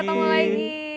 sampai ketemu lagi